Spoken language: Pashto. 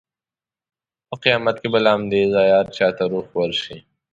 په قیامت کې به له همدې ځایه هر چا ته روح ورشي.